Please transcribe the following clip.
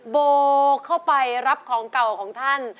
โบเข้าไปรับของเก่าของท่าน